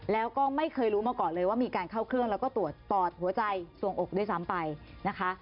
แล้วก็ไม่เคยรู้มาก่อนเลยว่ามีการเข้าเครื่องแล้วก็ตรวจปอดหัวใจส่วงอกด้วยซ้ำไปนะคะ